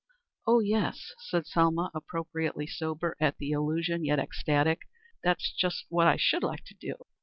"Oh, yes," said Selma, appropriately sober at the allusion yet ecstatic. "That's just what I should like to do.